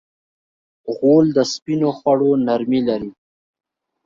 غول د سپینو خوړو نرمي لري.